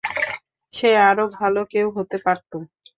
সে আরও ভালো কেউ হতে পারত।